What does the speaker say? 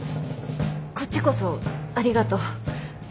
こっちこそありがとう。